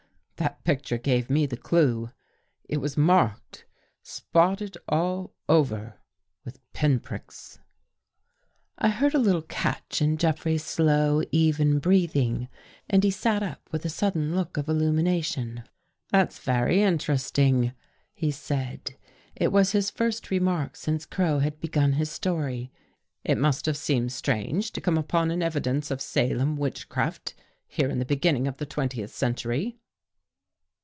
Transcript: That picture gave me the clue. It was marked, spotted all over, with pin pricks." I heard a little catch in Jeffrey's slow, even breathing, and he sat up with a sudden look of illumination. " That's very interesting," he said. It was his first remark since Crow had begun his story. " It must have seemed strange to come upon an evidence of Salem witchcraft here in the beginning of the twentieth century."